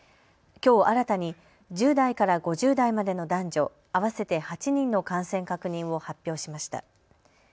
きょう新たに１０代から５０代までの男女合わせて８人の感染確認を発表しました。